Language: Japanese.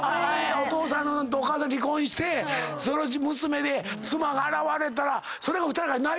お父さんとお母さん離婚してそのうち娘で妻が現れたら。